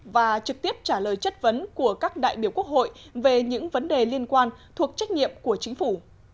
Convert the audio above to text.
và trực tiếp trả lời chất vấn của các đại biểu quốc hội về những vấn đề liên quan thuộc trách nhiệm của chính phủ